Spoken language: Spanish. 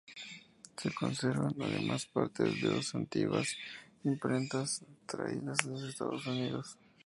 Se conservan además partes de dos antiguas imprentas, traídas desde Estados Unidos.